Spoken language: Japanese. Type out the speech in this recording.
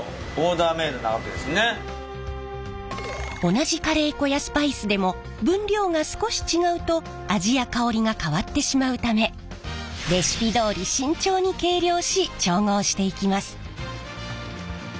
同じカレー粉やスパイスでも分量が少し違うと味や香りが変わってしまうためレシピどおり慎重に計量し調合していきます。